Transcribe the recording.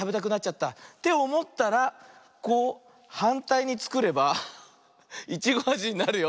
っておもったらこうはんたいにつくればイチゴあじになるよ。